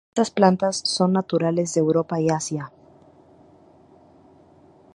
Estas plantas son naturales de Europa y de Asia.